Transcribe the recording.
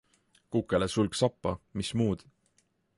Kukele sulg sappa, mis muud!